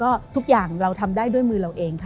ก็ทุกอย่างเราทำได้ด้วยมือเราเองค่ะ